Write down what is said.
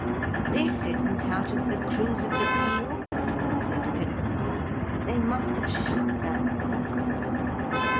'This isn't out of The Cruise of the Teal,' said Philip. 'They must have shut that book.'